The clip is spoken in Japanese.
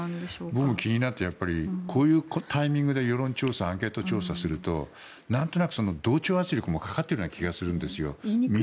僕が気になったのはこういうタイミングで世論調査、アンケート調査するとなんとなく、同調圧力もかかっているような気もするんですよ。